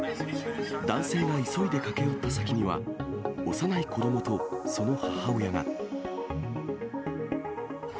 男性が急いで駆け寄った先には、幼い子どもとその母親が。